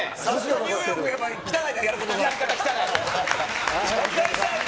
ニューヨーク、やっぱり汚いねん、やることが。